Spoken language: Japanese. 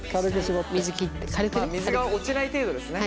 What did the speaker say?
まあ水が落ちない程度ですね。